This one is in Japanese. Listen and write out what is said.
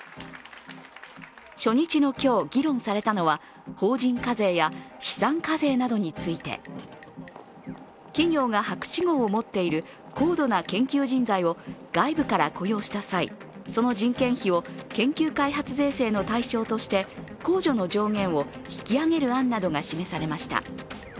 初日の今日、議論されたのは法人課税や、資産課税などについて。企業が博士号を持っている高度な研究人材を外部から雇用した際、その人件費を研究開発税制の対象として控除の上限を引き上げる案などが示されました。